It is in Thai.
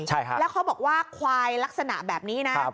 แล้วเขาบอกว่าควายลักษณะแบบนี้นะ